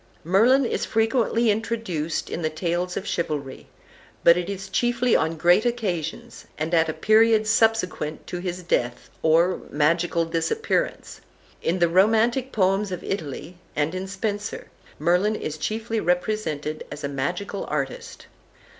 Merlin is frequently introduced in the tales of chivalry, but it is chiefly on great occasions, and at a period subsequent to his death, or magical disappearance. In the romantic poems of Italy, and in Spenser, Merlin is chiefly represented as a magical artist.